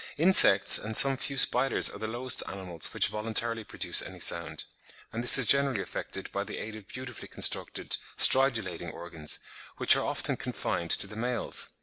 Insects and some few spiders are the lowest animals which voluntarily produce any sound; and this is generally effected by the aid of beautifully constructed stridulating organs, which are often confined to the males.